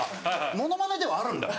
モノマネではあるんだよ